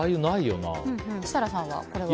設楽さんはこれは？